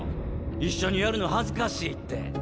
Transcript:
一緒にやるの恥ずかしいって。